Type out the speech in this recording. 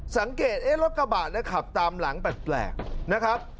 สังเกตรถกระบะขับตามหลังแปลกนะครับ